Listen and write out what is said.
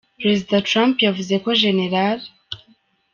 Perezida Trump yavuze ko General H.